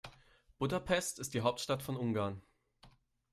Budapest ist die Hauptstadt von Ungarn.